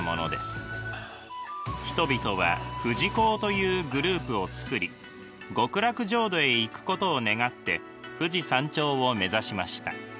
人々は富士講というグループをつくり極楽浄土へ行くことを願って富士山頂を目指しました。